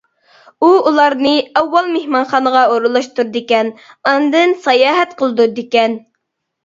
ئۇ، ئۇلارنى ئاۋۋال مېھمانخانىغا ئورۇنلاشتۇرىدىكەن، ئاندىن ساياھەت قىلدۇرىدىكەن.